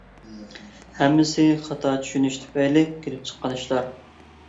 ھەممىسى خاتا چۈشىنىش تۈپەيلى كېلىپ چىققان ئىشلار.